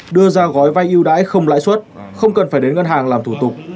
đưa ra gói vay yêu đãi không lãi suất không cần phải đến ngân hàng làm thủ tục